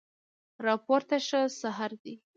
راپورته شه سحر دی